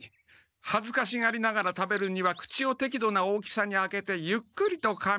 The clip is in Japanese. はずかしがりながら食べるには口をてきどな大きさに開けてゆっくりとかみ